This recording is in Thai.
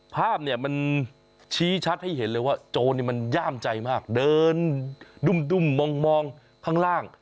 ภาพเนี่ยมันชี้ชัดให้เห็นเลยว่าโจรมันย่ามใจมากเดินดุ่มมองข้างล่าง